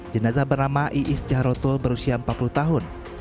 jenazah bernama iis cahrotul berusia empat puluh tahun